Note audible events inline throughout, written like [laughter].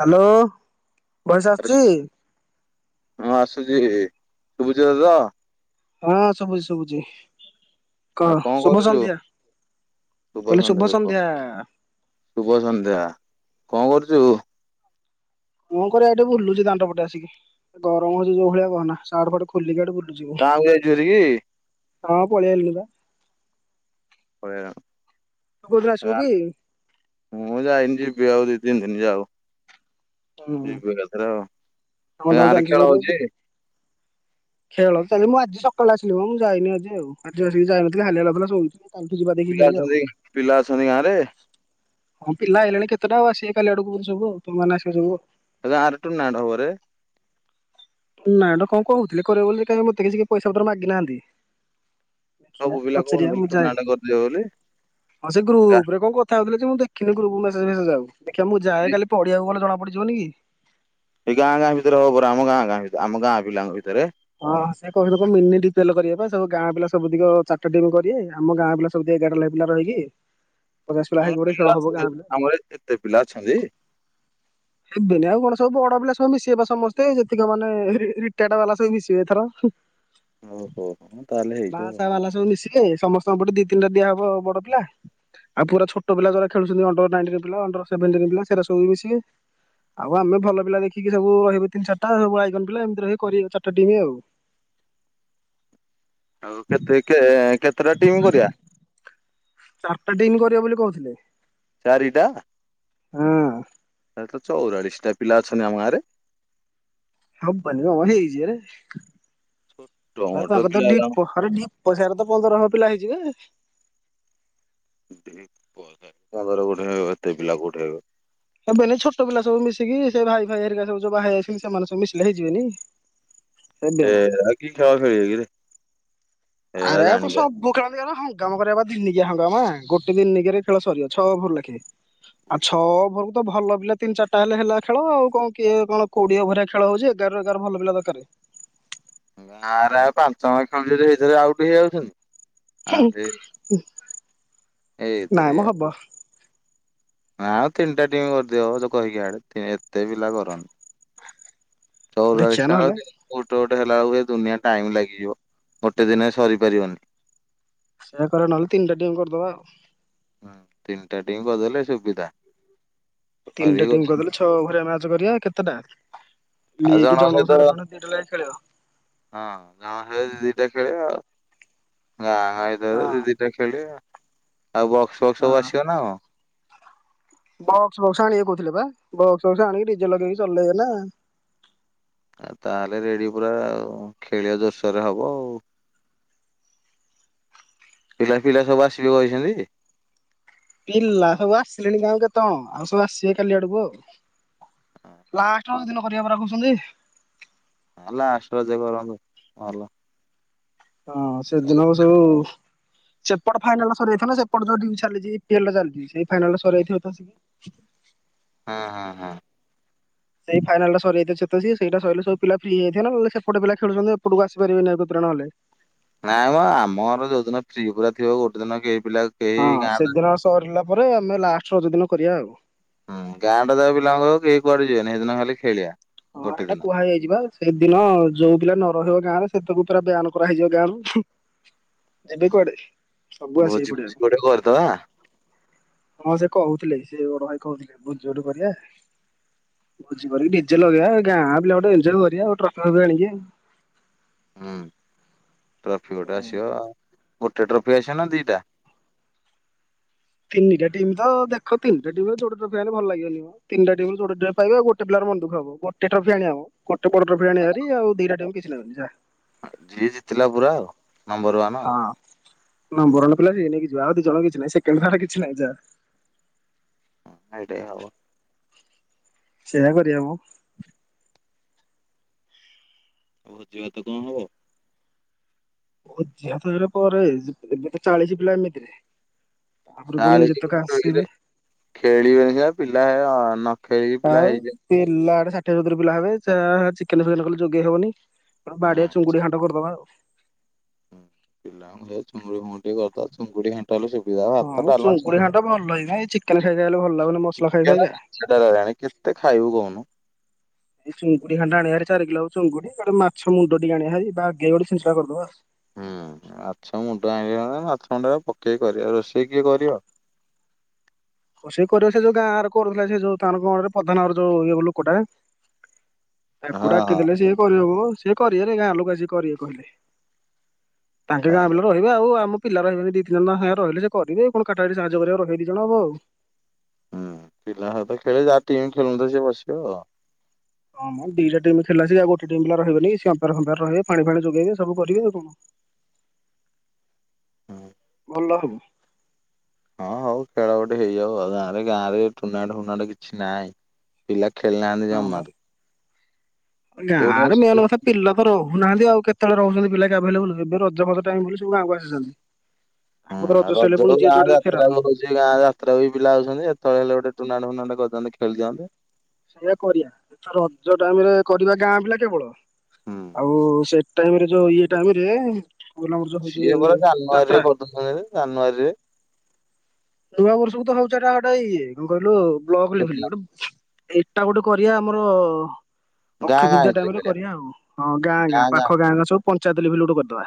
Hello ପଇସା ଆରେ ଆସଛି? ହଁ ଆସୁଛି, ସୁଭୁଚି ତତେ ତ? ହଁ ଶୁଭୁଛି ଶୁଭୁଛି। କହ ଆଉ କଣ ଶୁଭ କରୁଛୁ? ସନ୍ଧ୍ୟା, କହିଲି ଶୁଭ ସନ୍ଧ୍ୟା। ଶୁଭ ସନ୍ଧ୍ୟା, କଣ କରୁଚୁ? କୁଅଁ କରିବା ଏଟି ବୁଲୁଛି ଦାଣ୍ଡ ପଟେ ଆସିକି, ଗରମ ହଉଛି ଯୋଉ ଭଳିଆ କହନା ସାର୍ଟ ଫାର୍ଟ ଖୋଲିକି ଇଆଡ଼େ ବୁଲୁଚି ବ ଗାଁଆକୁ ଯାଇଚୁ ହେରିକି? ହଁ ପଳି ଆଇଲିଣି ପା, ତୁ କୋଉ ଦିନ ଆସିବୁ କି? ମୁଁ ଯାଇନି ଯିବି ଆଉ ଦିଇ ତିିନି ଦିନ ଯାଉ। ହୁଁ ଜିବିନି ଏଥରେ ଆଉ, କାମ ଦାମ ଗାଁରେ ଚାଲିଛି ଖେଳ ଜୋରେ ଆଜି ହଉଚି? ଖେଳ ଚାଲିଲି ମୁଁ ଆଜି ସକାଳେ ଆସିଲି, ମୁଁ ଯାଇନି ଆଜି ଆଉ, ଆଜି ଆସିକି ଯାଇନଥିଲି ହାଲିଆ ଲାଗୁଥିଲା ଶୋଉଚି। ପିଲା ଅଛନ୍ତି, ପିଲା ଅଛନ୍ତି ଗାଁରେ? ହଁ ପିଲା ଆଇଲେଣି କେତେଟା ଆଉ ଆସିବେ କାଲି ଆଡ଼କୁ ସବୁ ଆଉ, ତମେମାନେ ଆସିବ ସବୁ। ଗାଁରେ ଟୁର୍ନାମେଣ୍ଟ ହବରେ। ଟୁର୍ନାମେଣ୍ଟ କଣ କହୁଥିଲେ କରିବେ ବୋଲି କାଇଁ ମତେ କିଛି କେହି ପଇସା ପତ୍ର ମାଗିନାହାନ୍ତି? ସବୁ ଦେଖିବା ପିଲା ପଚାରିବା କହୁନଥିଲେ ମୁଁ ଯାଏ, ଟୁର୍ଣ୍ଣାମେଣ୍ଟ କରିଦିଅ ବୋଲି ହଁ ସେଇ ଗ୍ରୁପରେ କଣ କ କଥା ହଉଥିଲେ ଯେ ମୁଁ ଦେଖିନି ଗ୍ରୁପ୍ ମେସେଜେ ଫେସେଜେ ଆଉ, ଦେଖିଆ ମୁଁ କାଲି ଯାଏ ପଡିଆକୁ ଗଲେ ଜଣା ପଡ଼ିଯିବନି କି? ଏଇ ଗାଁ ଗାଁ ଭିତରେ ହବ ପରା ଆମ ଗାଁ ଗାଁ ଭିତ ଆମ ଗାଁ ପିଲାଙ୍କ ଭିତରେ। ହଁ ସେ କହୁଥିଲେ କଣ ମିନି ଡିପିଏଲ୍ କରିବେ ପା ସବୁ ଗାଁ ପିଲା ସବୁତିକ ଚାରିଟା ଟିମ୍ କରିବେ, ଆମ ଗାଁ ପିଲା ସବୁତିରେ ଏଗାରଟା ଲେଖା ପିଲା ରହିକି ପଚାଶ ମୁଁ ହେଇକି ଗୋଟେ ଖେଳ ପିଲା ହବ ଗାଁ ଅଛନ୍ତି, ପିଲା ଆମର ଏତ୍ ଏତେ ପିଲା ଅଛନ୍ତି। ହେବେନି ଆଉ କଣ ସବୁ ବଡ଼ ପିଲା ସବୁ ମିଶିବେ ପା ସମସ୍ତେ ଯେତିକି ମାନେ ରି ରିଟାଡ଼ ବାଲା ସବୁ ମିଶିବେ ଏଥର। [inaudible] ତାହେଲେ ହେଇଯିବ ବାହା ସାହା ବାଲା ସବୁ ମିଶିଲେ ସମସ୍ତଙ୍କ ପଟି ଦି ତିନିଟା ଦିଆହବ ବଡ ପିଲା। ଆଉ ପୁରା ଛୋଟ ପିଲା ଯୋଉରା ଖେଳୁଛନ୍ତି ଅଣ୍ଡର ନାଇଣ୍ଟିନ୍ ପିଲା ଅଣ୍ଡର ସେଭେଣ୍ଟିନ୍ ପିଲା ସେରା ସବୁ ମିଶିବେ। ଆଉ ଆମେ ଭଲ ପିଲା ଦେଖିକି ସବୁ ରହିବୁ ତିନି ଚାରଟା ସବୁ ୱାଇଗନ୍ ପିଲା ଏମିତି ରହି କରିବେ ଚାରିଟା ଟିମ୍ ଆଉ। ଆଉ କେତ୍ରି କେ କେତେଟା ଟିମ୍ କରିବା? ଚାରଟା ଟିମ୍ କରିବେ ବୋଲି କହୁଥିଲେ। ଚାରିଟା, ହଁ ତାହେଲେ ତ ଚଉରାଳିଶଟା ପିଲା ଅଛନ୍ତି ଆମ ଗାଁରେ? ହବନି, ହଁ ହେଇଯିବରେ, ଆଉ ଛୋଟମୋଟ ତାଙ୍କର ତ ପିଲା ଢ଼ିପ ଖାଲି ଢ଼ି ପଇସାରେ ତ ପନ୍ଦର ହଳ ପିଲା ହେଇଯିବେ। [unintelligible] କୋଉଠି ଆଉ ଏତେ ପିଲା କୋଉଠି ହେବେ? [unintelligible] ଛୋଟ ପିଲା ସବୁ ମିଶିକି ସେ ଭାଇ ଭାଇ ହେରିକା ସବୁ ଯୋଉ ବାହା ହେଇଯାଇଛନ୍ତି ସେମାନେ ସବୁ ମିଶିଲେ ହେଇଯିବେନି? ହେବେ ମ ଏରା କିି ଖେଳ ଖେଳିବେ କିରେ। ଏରା ଆରେ ଆକୁ ଜାଣିପାରେ ସବ୍ [unintelligible] ହଙ୍ଗାମା କରିବା ପା ଦିନିକିଆ ହାଙ୍ଗାମା, ଗୋଟେ ଦିନିକିରେ ଖେଳ ସରିବ ଛଅ ଓଭର ଲାଖେ। ଆ ଛଅ ଓଭରକୁ ତ ଭଲ ପିଲା ତିନି ଚାରିଟା ହେଲେ ହେଲା ଖେଳ ଆଉ କଣ କିଏ କଣ କୋଡିଏ ଓଭରିଆ ଖେଳ ହଉଚି ଏଗାରରୁ ଏଗାର ଭଲ ପିଲା ଦରକାରେ। ନାଁରେ ଆଉ ପାଞ୍ଚ ମି ଖଣ୍ଡେ ଯଦି ହେଇଥିଲେ ଆଉଟ୍ ହେଇଯାଉଚନ୍ତି। ଥ୍ୟାଙ୍କ୍, ଏଇଥିରେ ନାଇଁ ମ ହବ। ଆଉ ତିନିଟା ଟିମ୍ କରିଦିଅ ତୁ କହିକି [unintelligible] ଏତେ ପିଲା କରନି। ଦେଖିବା ଚଉରାଳିଶି ଟା ଆଉ ନହେଲେ ଟି ଗୋଟେ ଗୋଟେ ହେଲା ବେଳକୁ ଦୁନିଆ ଟାଇମ ଲାଗିଯିବ ଗୋଟେ ଦିନରେ ସରିପାରିବନି। ସେୟା କର ନହେଲେ ତିନିଟା ଟିମ୍ କରିଦବା ଆଉ। ହଁ, ତିନିଟା ଟିମ୍ କରିଦେଲେ ସୁବିଧା। ଆଉ ତିନିଟା ଟିମ୍ କରିଦେଲେ ଛଅ ଓଭରିୟା ମ୍ୟାଚ କରିବା କେତେଟା? ଲିଗ ଜଣଙ୍କ ସାଙ୍ଗରେ ଜଣେ ପେଟ ଲାଇଟି ଖେଳିବ। ହଁ ଜଣକେ ଦିଇ ଦିଇଟା ଖେଳିବା ଆଉ [unintelligible] ଦେ ଖେଳିବା ଆଉ ବକ୍ସ ଫକ୍ସ ସବୁ ଆସିବ ନା କଣ? ବକ୍ସ ଫକ୍ସ ଆଣିବେ କହୁଥିଲେ ବା ବକ୍ସ ଫକ୍ସ ଆଣିକି ଡିଜେ ଲଗେଇକି ଚଲେଇଲେ ହେଲା। ଆ ତାହେଲେ ରେଡି ପୁରା ଆଉ ଖେଳିବା ଜୋର ସୋରରେ ହବ ଆଉ। ପିଲା ଫିଲା ସବୁ ଆସିବେ କହିଚନ୍ତି? ପିଲା ସବୁ ଆସିଲେଣି ଗାଁ କୁ କେତେଜଣ ଆଉ ସବୁ ଆସିବେ କାଲି ଆଡକୁ ଆଉ। ଲାଷ୍ଟ [unintelligible] ଦିନ କରିବା ପରା କହୁଚନ୍ତି। ହଁ ଲାଷ୍ଟେରେ ସେ କରନ୍ତୁ କଣ ହେଲା। ହଁ ସେ ଦିନକୁ ସବୁ ସେପଟ ଫାଇନାଲ ସରିଯାଇଥାନ୍ତା ସେପଟ ଯୋଉଠି ଚାଲିଚି ଇପିଏଲ ଚାଲିଚି ସେ ଫାଇନାଲରେ ସରିଯାଇଥିବ ବାସ ହୁଁ ହୁଁ ହୁଁ। ସେଇ ଫାଇନାଲ ଟା ସରିଯାଇଥିବ ସେ ସେଇଟା ସରଲେ ସବୁ ପିଲା ଫ୍ରି ହୋଇଯାଇଥିବେ ଓ ସେପଟେ ପିଲ ଖେଳୁଚନ୍ତି ଏପଟକୁ ଆସିପାରିବେନି ଆଗତୁରା ନହେଲେ। ନାଇଁ ମ ଆମ ଗାଁରୁ ଯୋଉଦିନ ଫ୍ରି ପୁରା ଥିବ ଗୋଟେ ଦିନ କେହି ପିଲା କେହି ହଁ, ଗାଁ ସେଦିନ ସରିଲା ପରେ ଆମେ ଲାଷ୍ଟ ରଜ ଦିନ କରିବା ଆଉ। ହୁଁ ଗାଁ ଟା ଯାକ ପିଲାଙ୍କୁ କହିବୁ କେହି କୁଆଡେଯିବେନି ସେଦିନ ଖାଲି ଖେଳିଆ। ହଁ, ଏଟା କୁହା ହେଇଯାଇଚି ବା। ସେଇଦିନ ଯୋଉ ପିଲା ନ ରହିବ ଗାଁ ରେ ସେତକୁ ପୁରା ବ୍ୟାନ୍ କରାହଇଯିବ ଗାଁ ରୁ। ଏବେ କୁଆଡେ? ଭୋଜି ଫୋଜି ପଡିଆକୁ। ଗୋଟେ କରିଦବା ହଁ ସେ କହୁଥିଲେ ସେ ବଡ ଭାଇ କହୁଥିଲେ ଭୁଜି ଗୋଟେ କରିବା। ଭୁଜି କରିକି ଡିଜେ ଲଗେଆ ଗାଁ ପିଲା ଗୋଟେ ଏନ୍ଞ୍ଜଏ କରିବା ଟ୍ରଫି ଫପୀ ଆଣିକି। ହୁଁ, ଟ୍ରଫି ଗୋଟେ ଆସିବ ଗୋଟେ ଟ୍ରଫି ଆସିବ ନା ଦି ଟା? ତିନିଟା ଟିମ ତ ଦେଖ ତିନି ଟା ଟିମ୍ ଛୋଟ ଟ୍ରଫି ଆଣିଲେ ଭଲ ଲାଗିବନିି ମ। ତିନଟା ଟିମ ରୁ ଯୋଡେ ଟୋକା ପାଇବେ ଆଉ ଗୋଟ ପିଲାର ମନଦୁଖ ହବ ଗୋଟ ଟ୍ରଫି ଆଣି ହବ। ଗୋଟେ ବଡ଼ ଟ୍ରଫି ଆଣିବା ହେରି ଆଉ ଦିଟା ଟିମ୍ କିଛି ନେବନି ଯା। ଯିଏ ଜିତିଲା ପୁରା ଆଉ ନମ୍ବର ୱାନ୍। ହଁ, ନମ୍ୱରୱନ ପିଲା ହେଇଗଲେ ହେଇଯିବ ଆଉ ଦିଜଣ କିଛି ନାହିଁ ସେକେଣ୍ଡ ର୍ଥାର୍ଡ କିଛିନାହିଁ ଯା। [unintelligible] ସେଇଆ କରିବା ମ। ଭୋଜିଭାତ କଣ ହବ? ଭୋଜି [unintelligible] ପରେ ଏବେ ତ ଚାଳିଶ ପିଲା ଏମିତିରେ ଆହୁରି ପୁଣି ଚାଳିଶ ଯେତେକ ଖେଳିଲେ ଆସିବେ [unintelligible] ପିଲା ଆଉ ହେଇଯିବେ। ପିଲା ଆଡେ ସା ସଠୀଏ ସତୁରି ପିଲା ହେବେ ଯହା ଚିକେନ ଫିକେନ କଲେ ଯୋଗେଇ ହବନି ଗୋଟେ ବାଡିଆ ନାଇଁ ଚୁଙ୍ଗୁଡି ଘାଣ୍ଟ କରିଦବା ଆଉ। ପିଲାଙ୍କୁୁ ସେ ଚୁଙ୍ଗୁଡି ଫୁଙ୍ଗୁଡ଼ି ଟିକେ କରଦବା ଚୁଙ୍ଗୁଡି ଘାନ୍ ଟୋଟାଲି ସୁବିଧା ହବ ଭାତ ହଁ ଡ଼ାଲମା ଚୁଙ୍ଗୁଡି ଘାଣ୍ଟ ଭଲ ଏଇନା ଏଇ ଚିକେନ ଚିଙ୍ଗୁଡ଼ି ଖାଇ ଖାଇଲେ ଭଲ ଲାଗୁନି [unintelligible] ମସଲା ଖାଇ ଖାଇକା। ସେଟା ରହିଁଲାଣି କେତେ ଖାଇବୁ କହୁନୁ। ଏ ଚଙ୍ଗୁଡି ଘାଣ୍ଟ ଆଣିବା ଭାରି ଚାରି କିଲୋ ଚିଙ୍ଗୁଡ଼ି ଗୋଟେ ମାଛ ମୁଣ୍ଡ ଟିକେ ଆଣିବା ହେରି ବାଗେଇକି ଗୋଟେ ଛିଞ୍ଚଡା କରିଦବା ଆଉ। ହୁଁ, ମାଛ ମୁଣ୍ଡ ଆଣିଲେ ହେଇଥାନ୍ତା ମାଛ ମୁଣ୍ଡ ପକେଇକ କରିବ ରୋଷେଇ କିଏ କରିବ? ସେଇ କରେ ସେ ଯୋଉ ଗାଁର କରୁଥିଲା ସେ ଯୋଉ ତାର କଣ ବେ ପଧାନର ଯୋଉ ଇଏ ଲୋକଟା ତାକୁ ହଁ ହଁ ଡାକିଦେଲେ ସିଏ କରିଦବ ସିଏ କରିବେରେ ଗାଁ ଲୋକ ଆସି କରିବେ କହିଲେ। ତାଙ୍କେ ଗାଁର୍ ଲୋକ [unintelligible] ଆମ ପିଲା ରହିବି ଦି ତିନିଜଣ ରହିଲେ ସେ କରିବେ କଣ କଟାକଟି ସାହାଯ୍ୟ କରିବା ରହିବେ ଦି ଜଣ ଆଉ। ହୁଁ ପିଲା ସହିତ ଖେଳିକି, ଯାହା ଟିମ୍ [unintelligible] ହଁ ଦିଟା ଟିମ୍ ଖେଳା ଆଉ ଗୋଟ ଟିମ୍ ରହିବେନି [unintelligible] ରହେ ପାଣି ଫାଣି ଯୋଗେଇବେ ସବୁ କରିବେ ଆଉ। ଆଉ। [unintelligible] ହଁ ହଉ ଖେଳ ଗୋଟେ ହେଇଯାଉ ଆଉ ଗାଁରେ ଗାଁରେ ଟୁର୍ଣାମେଣ୍ଟ ଫୁଣ୍ଟ କିଛି ନାହିଁ। ପିଲା ଖେଳିନାହାନ୍ତି ହଁ ବା। ଜମାରୁ, କୋଉଠି ଗାଁରେ ମେନ୍ କଥା [unintelligible] ପିଲା ରହୁନାହାନ୍ତି ଆଉ କେତେବେଳେ ରହୁଚନ୍ତି ପିଲା କି ଆଭେଲେବୁଲ ଏବେ ରଜ ଫଜ ଟାଇମ ରେ ସବୁ ଗାଁକୁ ଆସିଚନ୍ତି। ଆମ ତ ରଜ ସରିଲେ ପୁଣି ଯିଏ ଯୁଆଡେ ଫେରାର। ସେ ଗାଁ ଯାତ୍ରା ବି ପିଲା ଆଉଚନ୍ତି ଯେତେବେଳେ ଗୋଟେ ଟୁର୍ଣ୍ଣାମେଣ୍ଟ ଫୁର୍ଣ୍ଣାମେଣ୍ଟ କରି ଦିଅନ୍ତେ ଖେଳଦିଅନ୍ତେ। ସେଇଆ କରିବା, ଆ ରଜ ଟାଇମ ରେ କରିବା ଗାଁ ପିଲା କେବଳ। ହୁଁ ଆଉ ସେ ଟାଇମରେ ଯୋଉ ଇଏ ଟାଇମରେ, ସିଏ ପରା [unintelligible] ଯାତ୍ରାରେ। [unintelligible] ଜାନୁଆରୀରେ। ନୂଆ ବର୍ଷକୁ ତ ହଉଚି ଏଟା ଗୋଟେ ଇଏ, କଣ କହିଲୁ ବ୍ଲକ ଲେବୁଲ ଟୁର୍ଣ୍ଣାମେଣ୍ଟ ଗୋଟେ। ଏଟା ଗୋଟେ କରିବା ଆମର ଗାଁ ଗାଁ ଅକ୍ଷତୃତୀୟ ଭିତରେ ଟାଇମ ରେ ଖେଳିବା କରିବା ଆଉ, ହଁ ଗାଁ ଗାଁ ପାଖ ଗାଁ ଗାଁ ସବୁ ପଞ୍ଚାୟତ ଲେବୁଲ ଗୋଟେ କରିଦବା।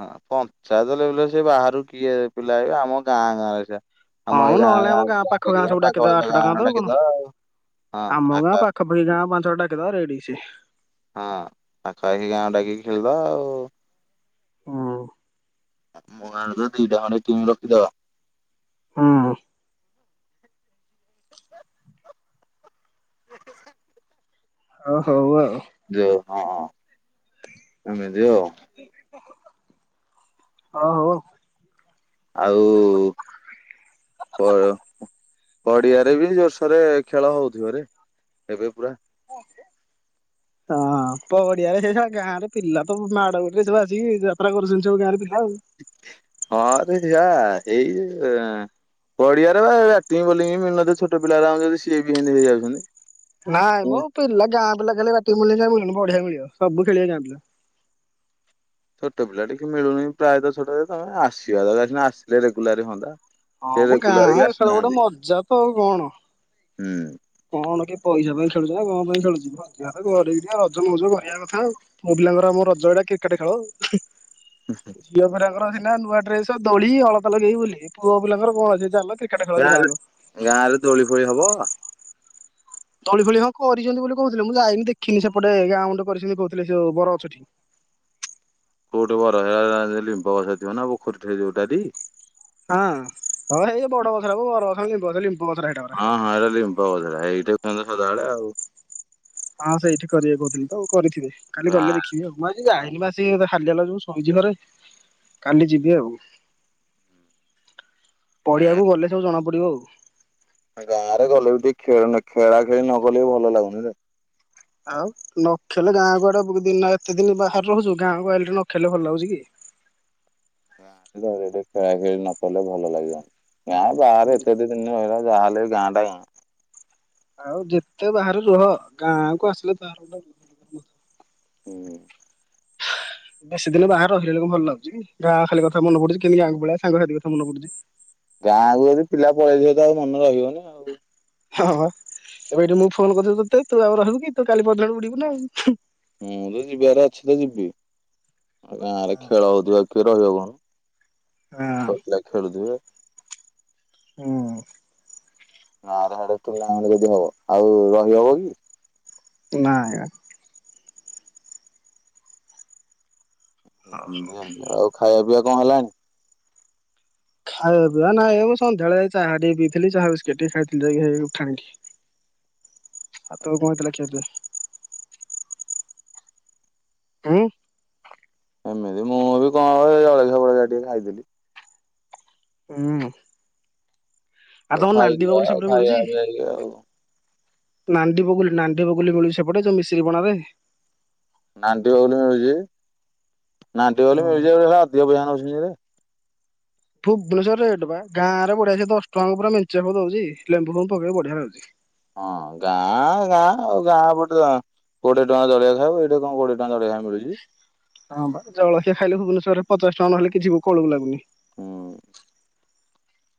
ହଁ ପଞ୍ଚାୟତ ଲେବଲରେ ସେ ବାହାରୁ କିଏ ପିଲା ଆଇବେ, ଆମ ଗାଁ ଗାଁରେ ଯା। ଆମ ହଁ ଏଇ ଗାଁ ନହେଲେ ଗାଁ ଆମ ପାଖ [unintelligible] ଗାଁ ସବୁ ଆଠଟା ଗାଁ ତ କଣ। ଡାକିଦବା ଆଉ। ହଁ ଆମ ଆଖ ଗାଁ ପାଖ ପାଖୀ ଗାଁ [unintelligible] ରେଡି ସେ। ହଁ ଆଖପଖି ଗାଁ ଡାକିକି ଖେଳିବା ଆଉ। ହଁ। ମୁଁ ଆଣ ତ ଦିଟା ଖଣ୍ଡେ କିମ ରଖିଦବ। ହୁଁ। ଆଉ ହଉ ଆଉ। ଯେ ହଁ, ଏମିତି ଆଉ। ଆଉ ହଉ ଆଉ, ପ ପଡିଆରେ ବି ଜୋରସୋରେ ଖେଳ ହଉଥିବରେ ଏବେ ପୁରା। ହଁ ପଡିଆରେ ସେ ଶଳା ଗାଁରେ ପିଲା ତ ମାଡ ଗଡିରେ ସବୁ ଆସିକି ଯାତ୍ରା କରୁଛନ୍ତି ସବୁ ଗାଁ ରେ ପିଲା ଆଉ। ହଁରେ ଯା ଏଇ ପଡିଆରେ ବାଟିଙ୍ଗ ବୋଲିଙ୍ଗ ମିଳୁନାହାନ୍ତି ଛୋଟ ପିଲା ରା ଆଉଛନ୍ତି ସିଏ ବିିତି ହେଇଯାଉଛନ୍ତି। ନାଇଁ ମୁଁ ମୋ ପିଲା ଗାଁ ପିଲା ଖେଲେ [unintelligible] ବଢିଆ ମିଳିବ ସବୁ ଖେଳିବା ଗାଁ ପିଲା। ଛୋଟ ପିଲା ଟିକେ ମିଳୁନି ପ୍ରାୟତଃ ଛୋଟ ତମେ ଆସିବାନା ଆସିଲେ ରେଗୁଲାର ହନ୍ତା। ହଁ, ମୁଁ ଗାଁ ଖେଳ ଗୋଟେ ମଜା ତ ଆଉ କଣ। ହୁଁ। କଣ କିଏ ପଇସା ପାଇଁ ଖେଳୁଛ ନା କଣ ପାଇଁ ଖେଳୁଛି [unintelligible] ରଜ ମଜ କରିବା କଥାଉ। ମୋ ପିଲାଙ୍କର ଆମ ରଜ ଏଟା କ୍ରିକେଟ ଖେଳ ଆଉ। ଝିଅ ପିଲାଙ୍କର ଅଛି ନା ନୂଆ ଡ୍ରେସ, ଦୋଳି, ଅଳତା ଲଗେଇବ ବୁଲିବେ, ପୁଅ ପିଲାଙ୍କର କଣ ଅଛି ଚାଲ କ୍ରି ଗାଁ ରେ, ଗାଁ ରେ ଦୋଳି ଫୋଳି ହବ? ଦୋଳି ଫୋଳି ହବ ଅରିଛନ୍ତି ବୋଲି କହୁଥିଲେ, ମୁଁ ଯାଇନି ଦେଖିନି ସେପଟେ ଗାଁ ମୁଣ୍ଡେ କରିଛନ୍ତି କହୁଥିଲେ ସେ ବର ଗଛ ଠି। କୋଉଠି [unintelligible] ହଁ ହଁ ଏଇ ବଡ ବଛର ହବ ବଡ ବଛରମ୍ବୁ ଲମ୍ବ ବଛର ହେଇ। ହଁ ହଁ ଏଇଟା ରିମ୍ପ ବଧିରା ଏଇଟା କୁହନ୍ତି ସଦାବେଳେ ଆଉ। ହଁ ସେଇଠି କରିବେ କହୁଥିଲି ତ କରିଥିବେ କାଲି ଗଲେ ଦେଖିବି ଆଉ। ମୁଁ ଆଜି ଯାଇନି ପା ସେ ଖାଲି ହେଲା ଯୋଉ ସଇଁଜି ଘରେ କାଲି ଯିବି ଆଉ। ହୁଁ। ପଡ଼ିଆକୁ ଗଲେ ସବୁ ଜଣା ପଡିବ ଆଉ। ଆ ଗାଁରେ ଗଲେ ବି ଟିକେ ଖେଳ ଖେଳା ଖେଳି ନ ଗଲେ ବି ଭଲ ଲାଗୁନି ରେ। ଆଉ ନଖେଲେ ଗାଁ ଗୁଆଡେ ବହୁତ ଦିନେ ଏତେ ଦିନ ବାହାରେ ରହୁଛୁ ଗାଁକୁ ଆଇଲେ ନଖେଲେ ଭଲ ଲାଗୁଛି କି। ଗାଁରେ ଧରେ ଟେ ଖେଳା ଖେଳି ନକଲେ ଭଲ ଲାଗିବନ ଗାଁ ବାହାରେ ଏତେ ଦିନ ଦିନେ ରହିଲ ଯାହାହଲେ ଗାଁ ଟାଁ। ଆଉ ଯେତେ ବାହାରେ ରୁହ ଗାଁ କୁ ଆସିଲେ ତାର ଗୋଟେ ହୁଁ। ବେଶୀ ଦିନ ବାହରେ ରହିଲେ କଣ ଭଲ ଲାଗୁଛି କି ଗାଁ ଖାଲି କଥା ମନେ ପଡୁଛି କେମିତି ଗାଁ କୁ ପଳେଇବା ସାଙ୍ଗ ସାାଥି କଥା ମନେ ପଡୁଛି। ଗାଁକୁୁ ଯଦି ପିଲା ପଳେଇଥିବ ଆଉ ମନ ରହିବନି ଆଉ। ହଁଁ ଏବେ ଏଠି ମୁଁ ଫୋନ କରିଥିଲି ତତେ ତୁ ଆଉ ରହିବୁ କି ତୁ କାଲି ପହର ଦିନ ଉଡିବୁ ନା ଆଉ। ମୁଁ ତ ଯିବାର ଅଛି ତ ଯିବି ଆ ଗାଁରେ ଖେଳ ହଉଥିବ କିଏ ରହିବ କଣ। ଆଉ। ସବୁ ପିଲା ଖେଳୁଥିବେ। ହଁ। ଆଡେ ହାଡ଼େ ଟୁର୍ଣ୍ଣାମେଣ୍ଟ ଯଦି ହବ ଆଉ ରହିହବ କି। ନାଁ ଆଜ୍ଞା। ଆଉ ଖାଇବା ପିଇବା କଣ ହେଲାଣିି? ଖାଇବା ପିଇ ନାଇଁ ଆଜ୍ଞା ମୁ ସନ୍ଧ୍ୟବେଳେ ଚାହା ଟିକ ପିଥିଲି ଚାହା ବିସକିଟି ଟିକେ ଖାଇଥିଲି ଯାଇ ହେଇ ଉଠାଣି ଠି। [unintelligible] ଆଉ ତମର କଣ ହେଇଥିଲା କ୍ଷୟ କ୍ଷତି। ଆଉ ଏମିତି ମୁଁ ଏବେ କଣ ଜଳଖିଆ ଫଳିକିଆ ଟିକେ ଖାଇଥିଲି। ହୁଁ ଆଉ ତମର ନାଣ୍ଡି ଖାଇବା ବଗୁଲି ସେପଟେ ଖାଇବା ମିଳୁଚି? ପିଇବା ଆଉ ନାଣ୍ଡି ବଗୁଲି ନାଣ୍ଡି ବଗୁଲି ମିଳୁଚି ସେପଟେ ଯୋଉ ମିଶିରି ପଣାହୁଏ। ନାଣ୍ଟିି ବଗୁଲି ମିଳୁଚି ନାଣ୍ଟି ବଗୁଲି ମିଳୁଚି ହେ ଅଧିକ ପଇସା ନଉଚନ୍ତିବେ। ଭୁବନେଶ୍ୱର ରେଟ୍ ବା ଗାଁରେ ବଢ଼ିଆ ସେ ଦଶ ଟଙ୍କା ପୁରା ମେଞ୍ଚେ ହବ ଦଉଚି ଲେମ୍ବୁ ଫେମ୍ବୁ ପକେଇକି ବଢ଼ିଆ ଲାଗୁଚି। ହଁ ଗାଁ ଗାଁ ଆଉ ଗାଁ ପଟୁ ଗାଁ କୋଡିଏ ଟଙ୍କାରେ ଜଳିଖିଆ ଖାଇବ ଏଇଟି କଣ କୋଡ଼ିଏ ଟଙ୍କାରେ ଜଳଖିଆ ମିଳୁଚି। ହଁ ବା ଜଳଖିଆ ଖାଇଲେ ଭୁବନେଶ୍ୱରରେ ପଚାଶେ ଟଙ୍କା ନହଲେ କିଛିିବି କଳକୁ ଲାଗୁନି। ହୁଁ।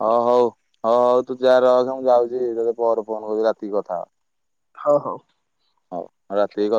ହ ହଉ ହଉ ହଉ ତୁ ଯା ରଖ ମୁଁ ଯାଉଚି ତତେ ପରେ ଫୋନ୍ କରୁଚି ରାତିକି କଥା ହବା। ହଉ ହଉ। ହଉ ରାତି କଥା